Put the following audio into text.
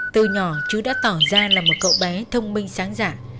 từ nhỏ chứ đã tỏ ra là một cậu bé thông minh sáng giản